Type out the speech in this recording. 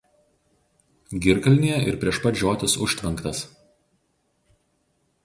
Girkalnyje ir prieš pat žiotis užtvenktas.